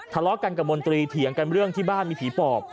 ทะเลาะกันกับมนตรีเถียงกันเรื่องที่บ้านมีผีปอบ